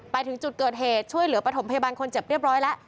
ไปถึงจุดเกิดเหตุช่วยเหลือประถมพยาบาลคนเจ็บเรียบร้อยแล้ว